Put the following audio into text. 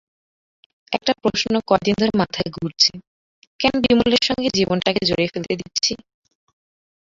একটা প্রশ্ন কদিন ধরে মাথায় ঘুরছে, কেন বিমলের সঙ্গে জীবনটাকে জড়িয়ে ফেলতে দিচ্ছি?